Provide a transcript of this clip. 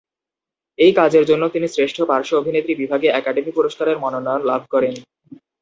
এই কাজের জন্য তিনি শ্রেষ্ঠ পার্শ্ব অভিনেত্রী বিভাগে একাডেমি পুরস্কারের মনোনয়ন লাভ করেন।